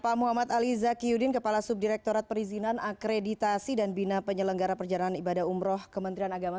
pak muhammad ali zakiudin kepala subdirektorat perizinan akreditasi dan bina penyelenggara perjalanan ibadah umroh kementerian agama